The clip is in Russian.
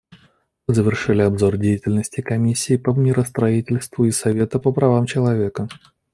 Мы завершили обзор деятельности Комиссии по миростроительству и Совета по правам человека.